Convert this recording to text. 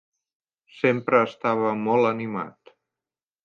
Sempre estava molt animat.